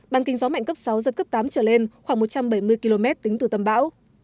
bàn kinh gió mạnh cấp sáu giật cấp tám trở lên khoảng một trăm bảy mươi km tính từ tâm bão